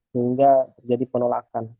sehingga terjadi penolakan